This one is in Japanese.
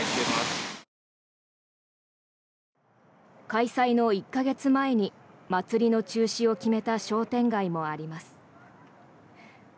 開催の１か月前に祭りの中止を決めた商店街もあります。